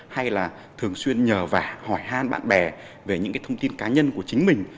hay là thường xuyên nhờ vả hỏi han bạn bè về những cái thông tin cá nhân của chính mình